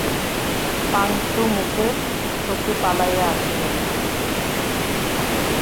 পাংশুমুখে শশী পলাইয়া আসিল।